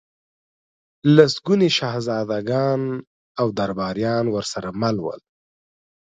لسګوني شهزادګان او درباریان ورسره مل ول.